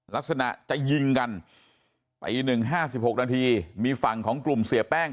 ลักษณะจะยิงกันไปอีก๑๕๖นาทีมีฝั่งของกลุ่มเสียแป้ง